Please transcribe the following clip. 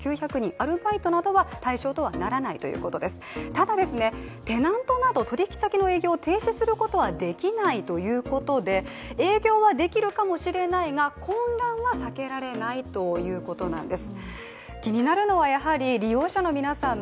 ただテナントなど取引先の営業は停止できないということで営業ができるかもしれないが、混乱は避けられないということなんです。